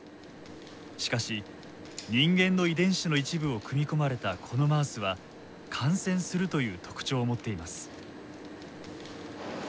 しかし人間の遺伝子の一部を組み込まれたこのマウスは感染するという特徴を持っています。